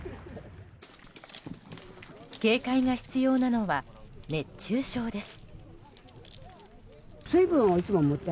警戒が必要なのは熱中症です。